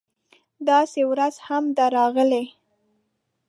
داسې ورځ هم ده راغلې